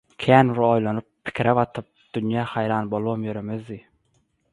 Kän bir oýlanyp, pikire batyp, dünýä haýran bolubam ýörmezdi.